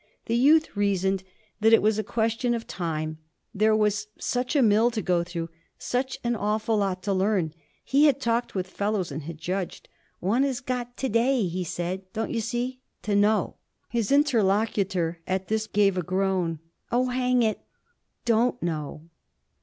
The youth reasoned that it was a question of time there was such a mill to go through, such an awful lot to learn. He had talked with fellows and had judged. 'One has got, today,' he said, 'don't you see? to know.' His interlocutor, at this, gave a groan. 'Oh hang it, don't know!'